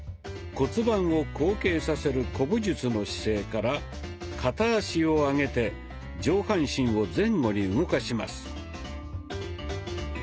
骨盤を後傾させる古武術の姿勢から片足を上げて上半身を前後に動かします。